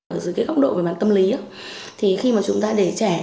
ở dưới cái góc độ về mặt tâm lý